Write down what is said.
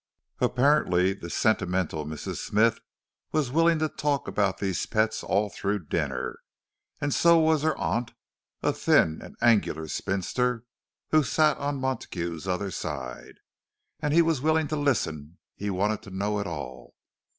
Apparently the sentimental Mrs. Smythe was willing to talk about these pets all through dinner; and so was her aunt, a thin and angular spinster, who sat on Montague's other side. And he was willing to listen—he wanted to know it all.